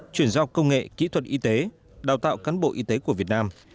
chuyển giao công nghệ kỹ thuật y tế đào tạo cán bộ y tế của việt nam